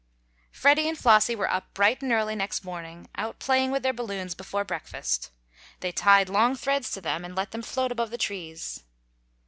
Freddie and Flossie were up bright and early next morning, out playing with their balloons before breakfast. They tied long threads to them, and let them float above the trees.